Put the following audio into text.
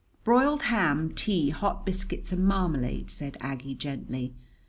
"Broiled ham, tea, hot biscuits, and marmalade," said Aggie gently.